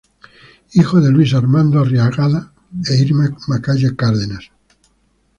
Hijo de Luis Armando Arriagada e Irma Macaya Cárdenas.